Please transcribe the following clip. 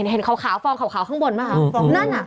เห็นขาวฟองขาวข้างบนไหมค่ะนั่นอะ